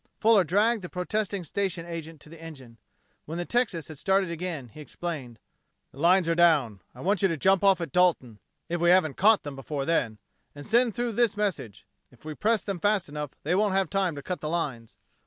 Fuller dragged the protesting station agent to the engine. When the Texas had started again, he explained: "The lines are down. I want you to jump off at Dalton, if we haven't caught them before then, and send through this message. If we press them fast enough they won't have time to cut the lines."